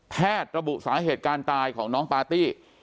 แพทย์ระบุสาเหตุการณ์ตายของน้องปาตี้